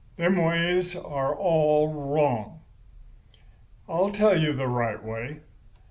Them ways are all wrong. "I'll tell you the right way.